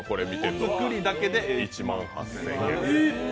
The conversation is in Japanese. お造りだけで１万８０００円。